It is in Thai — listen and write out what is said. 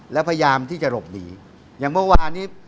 แล้วพยายามที่จะหลบหนีอย่างเมื่อวานนี้